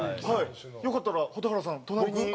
よかったら蛍原さん隣に。